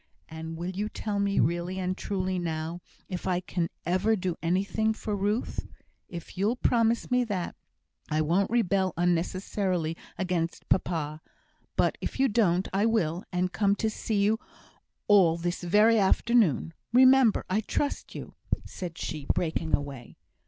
And will you tell me really and truly now if I can ever do anything for Ruth? If you'll promise me that, I won't rebel unnecessarily against papa; but if you don't, I will, and come and see you all this very afternoon. Remember! I trust you!" said she, breaking away.